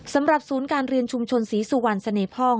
สำหรับศูนย์การเรียนชุมชนศรีสุวรรณเสน่หพ่อง